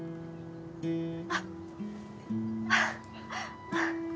あっ